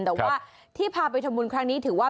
แต่ว่าที่พาไปทำบุญครั้งนี้ถือว่า